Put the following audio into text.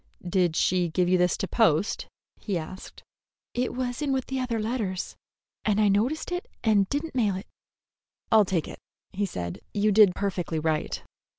"Did she give you this to post?" he asked. "It was with the other letters, and I noticed it and did n't mail it." "I'll take it," he said. "You did perfectly right."